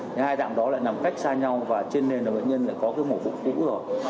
những hai tạng đó lại nằm cách xa nhau và trên nền bệnh nhân lại có cái mổ vụ cũ rồi